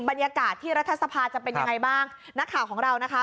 บรรยากาศที่รัฐสภาจะเป็นยังไงบ้างนักข่าวของเรานะคะ